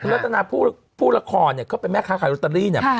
รัฐนาผู้ละครเนี่ยเขาเป็นแม่ค้าขายลอตเตอรี่เนี่ย